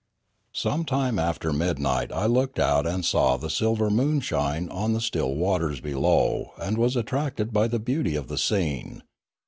Some time after midnight I looked out and saw the silver moonshine on the still waters below and was at tracted by the beauty of the scene.